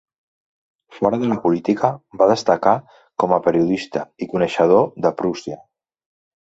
Fora de la política, va destacar com a periodista i coneixedor de Prússia.